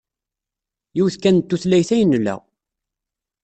Yiwet kan n tutlayt ay nla.